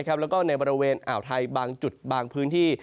แล้วก็ในบริเวณอ่าวไทยบางจุดบางพื้นที่